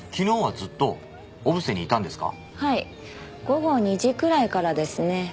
午後２時くらいからですね。